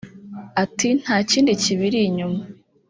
Ati “Nta kindi kibiri inyuma